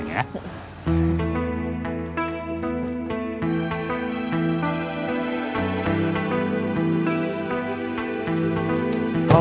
terima kasih om